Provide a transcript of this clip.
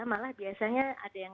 malah biasanya ada yang